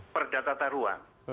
perda tata ruang